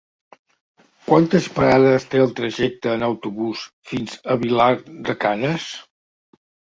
Quantes parades té el trajecte en autobús fins a Vilar de Canes?